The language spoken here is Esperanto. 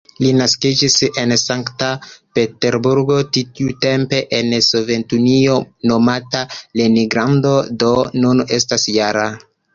Li naskiĝis en Sankt-Peterburgo, tiutempe en Sovetunio nomata "Leningrado", do nun estas -jara.